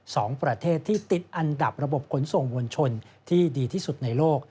สองประเทศที่ติดอันดับระบบขนส่งมวลชนที่ดีที่สุดในโลก